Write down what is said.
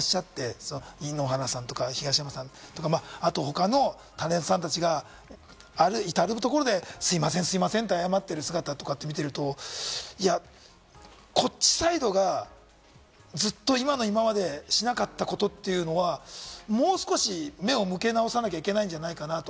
で、矢面に立ってる皆さんがいらっしゃって、井ノ原さんとか東山さんとか、他のタレントさんたちが至るところですみません、すみませんと謝ってる姿を見てると、こっちサイドがずっと今の今までしなかったことというのは、もう少し目を向き直さなきゃいけないんじゃないかなと。